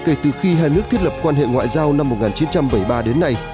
kể từ khi hai nước thiết lập quan hệ ngoại giao năm một nghìn chín trăm bảy mươi ba đến nay